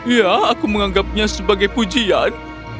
ya aku menganggapnya sebagai pujian